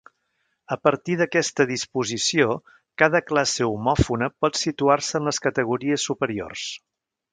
A partir d'aquesta disposició, cada classe homòfona pot situar-se en les categories superiors.